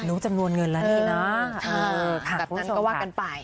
แล้วก็ว่ากันไป